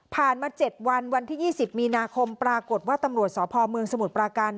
มา๗วันวันที่๒๐มีนาคมปรากฏว่าตำรวจสพเมืองสมุทรปราการ